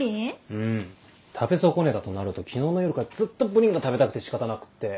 うん食べ損ねたとなると昨日の夜からずっとプリンが食べたくて仕方なくて。